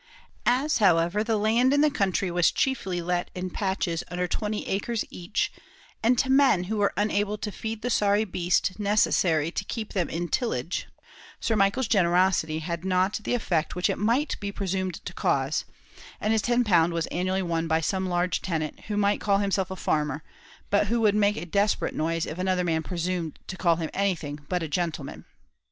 As, however, the land in the country was chiefly let in patches under twenty acres each, and to men who were unable to feed the sorry beast necessary to keep them in tillage, Sir Michael's generosity had not the effect which it might be presumed to cause; and his ten pound was annually won by some large tenant, who might call himself a farmer, but who would make a desperate noise if another man presumed to call him anything but a gentleman.